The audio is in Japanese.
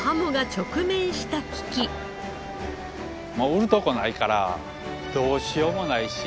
売る所ないからどうしようもないし。